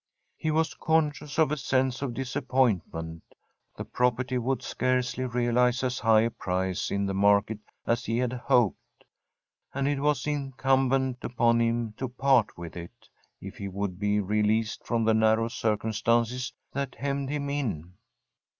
He was conscious of a sense of disappointment. The property would scarcely realize as high a price in the market as he had hoped; and it was incumbent upon him to part with it, if he would be released from the narrow circumstances that hemmed him in.